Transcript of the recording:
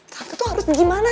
tante tuh harus gimana